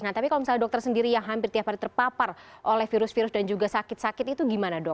nah tapi kalau misalnya dokter sendiri yang hampir tiap hari terpapar oleh virus virus dan juga sakit sakit itu gimana dok